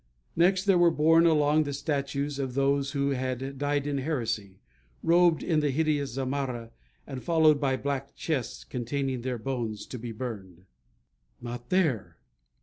Next, there were borne along the statues of those who had died in heresy, robed in the hideous zamarra, and followed by black chests containing their bones to be burned. Not there!